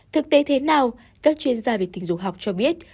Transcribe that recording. thực tế thế nào các chuyên gia về tình dục học cho biết